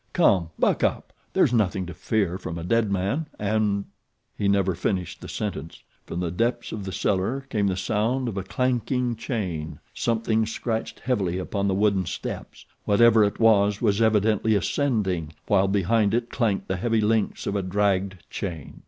Come! buck up. There's nothing to fear from a dead man, and " He never finished the sentence. From the depths of the cellar came the sound of a clanking chain. Something scratched heavily upon the wooden steps. Whatever it was it was evidently ascending, while behind it clanked the heavy links of a dragged chain.